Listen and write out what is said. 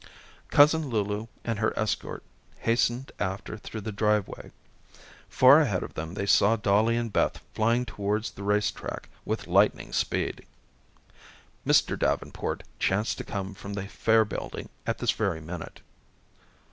Cousin Lulu and her escort hastened after through the driveway. Far ahead of them they saw Dollie and Beth flying towards the race track with lightning speed. Mr. Davenport chanced to come from the Fair building at this very minute.